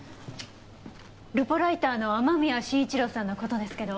ルポライターの雨宮慎一郎さんの事ですけど。